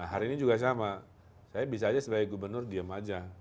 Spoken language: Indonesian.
hari ini juga sama saya bisa aja sebagai gubernur diem aja